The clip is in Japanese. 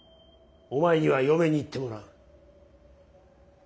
お前には嫁に行ってもらう。